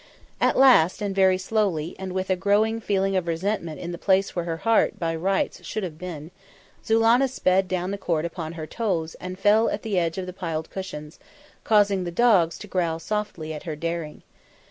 At last, and very slowly, and with a growing feeling of resentment in the place where her heart by rights should have been, Zulannah sped down the court upon her toes and fell at the edge of the piled cushions, causing the dogs to growl softly at her daring.